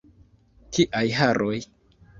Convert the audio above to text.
Kiaj haroj!